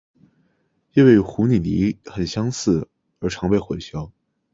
因为与湖拟鲤很相似而常被混淆。